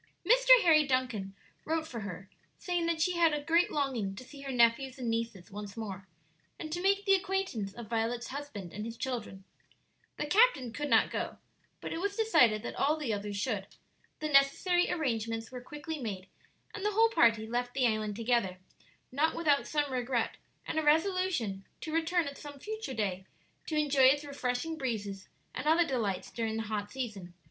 Mr. Harry Duncan wrote for her, saying that she had a great longing to see her nephews and nieces once more, and to make the acquaintance of Violet's husband and his children. The captain could not go, but it was decided that all the others should. The necessary arrangements were quickly made, and the whole party left the island together, not without some regret and a resolution to return at some future day to enjoy its refreshing breezes and other delights during the hot season.